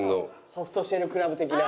ソフトシェルクラブ的な。